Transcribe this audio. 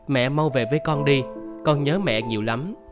mẹ mau về với con đi con nhớ mẹ nhiều lắm